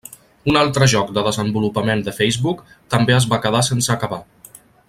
Un altre joc de desenvolupament de Facebook també es va quedar sense acabar.